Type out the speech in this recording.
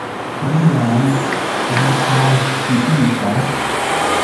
li jam rekonsciiĝas.